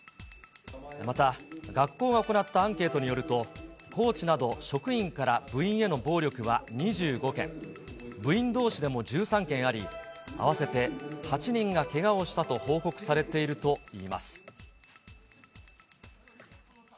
また学校が行ったアンケートによると、コーチなど、職員から部員への暴力は２５件、部員どうしでも１３件あり、合わせて８人がけがをしたと報告されているといいます。